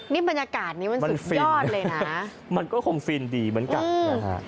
นี่บรรยากาศนี้มันสุดยอดเลยนะมันก็คงฟินดีเหมือนกันนะฮะ